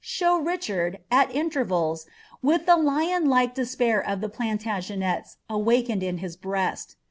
show Richard, at intervals, wiili th« Ittjci like rlespair of the Planlagenets awakened in his breast.